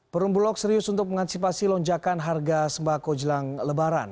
perumbulok serius untuk mengantisipasi lonjakan harga sembako jelang lebaran